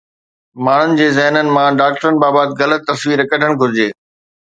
ماڻهن جي ذهنن مان ڊاڪٽرن بابت غلط تصوير ڪڍڻ گهرجي